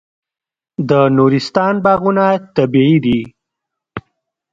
د نورستان باغونه طبیعي دي.